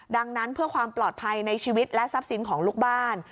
ดังนั้นเพื่อความปลอดภัยในชีวิตและทรัพย์สินของลูกบ้าน